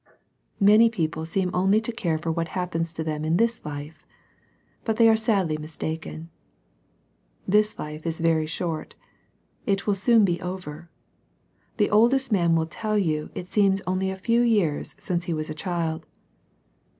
Many people seem only to care for what happens to them in this life. But they are sadly mistaken. This life is very short, — it will soon be over. The oldest man will tell you it seems only a few years since he was a child.